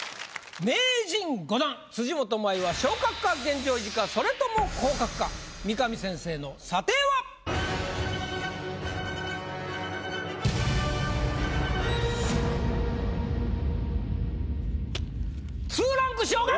名人５段辻元舞はそれとも降格か⁉三上先生の査定は⁉２ランク昇格！